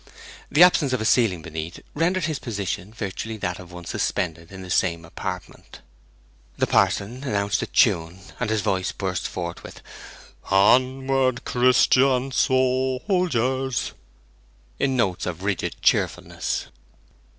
The absence of a ceiling beneath rendered his position virtually that of one suspended in the same apartment. The parson announced the tune, and his voice burst forth with 'Onward, Christian soldiers!' in notes of rigid cheerfulness.